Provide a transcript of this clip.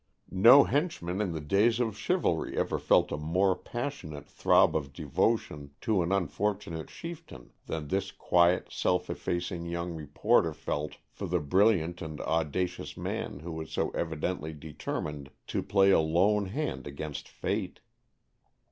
No henchman of the days of chivalry ever felt a more passionate throb of devotion to an unfortunate chieftain than this quiet, self effacing young reporter felt for the brilliant and audacious man who was so evidently determined to play a lone hand against fate.